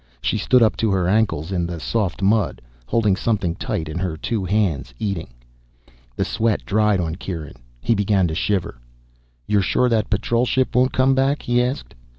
She stood up to her ankles in the soft mud, holding something tight in her two hands, eating. The sweat dried on Kieran. He began to shiver. "You're sure that patrol ship won't come back?" he asked.